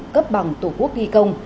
cấp bằng tổ quốc ghi công